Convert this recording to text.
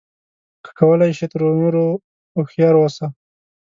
که کولای شې تر نورو هوښیار اوسه.